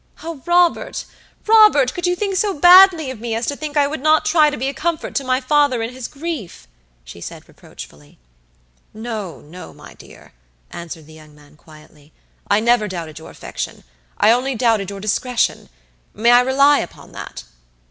"Oh, Robert! Robert! could you think so badly of me as to think I would not try to be a comfort to my father in his grief?" she said, reproachfully. "No, no, my dear," answered the young man, quietly; "I never doubted your affection, I only doubted your discretion. May I rely upon that?"